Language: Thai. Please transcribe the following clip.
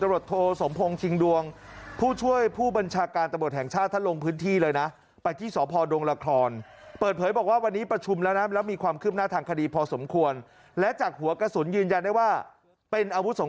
ร้องไห้ใจแทบขาดครับ